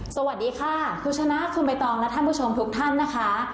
สวัสดีค่ะคุณชนะคุณใบตองและท่านผู้ชมทุกท่านนะคะ